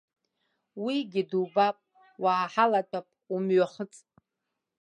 Уигьы дубап, уааҳалатәап, умҩахыҵ.